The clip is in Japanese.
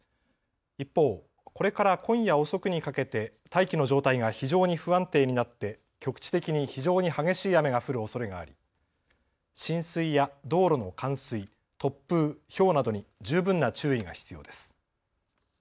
一方、これから今夜遅くにかけて大気の状態が非常に不安定になって局地的に非常に激しい雨が降るおそれがあり浸水や道路の冠水、突風、ひょうなどに十分な注意が必要です。